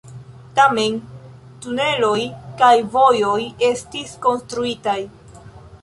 Tamen, tuneloj kaj vojoj estis konstruitaj.